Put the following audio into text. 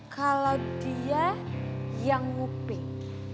kalau dia yang nguping